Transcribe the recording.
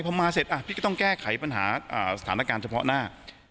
พอมาเสร็จพี่ก็ต้องแก้ไขปัญหาสถานการณ์เฉพาะหน้า